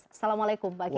assalamualaikum pak kiayi